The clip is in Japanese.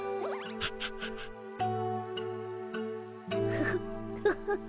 フフッフフフ。